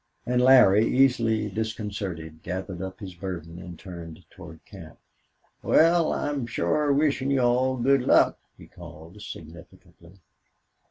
And Larry, easily disconcerted, gathered up his burden and turned toward camp. "Wal, I'm shore wishin' you all good luck," he called, significantly.